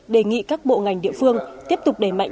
đề nghị các bộ ngành địa phương tiếp tục đẩy mạnh